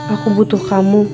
aku butuh kamu